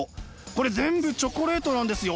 これ全部チョコレートなんですよ。